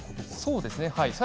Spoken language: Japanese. そうですね。